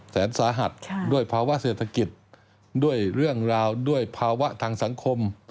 แสนสาหัสด้วยภาวะเศรษฐกิจด้วยเรื่องราวด้วยภาวะทางสังคม